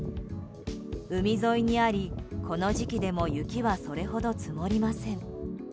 海沿いにあり、この時期でも雪はそれほど積もりません。